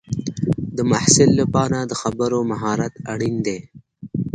د محصل لپاره د خبرو مهارت اړین دی.